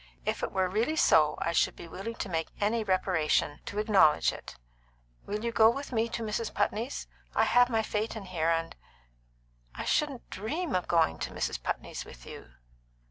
"If it were really so I should be willing to make any reparation to acknowledge it. Will you go with me to Mrs. Putney's? I have my phaeton here, and " "I shouldn't dream of going to Mrs. Putney's with you."